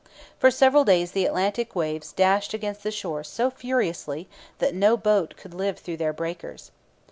For several days the Atlantic waves dashed against the shore so furiously that no boat could live through their breakers.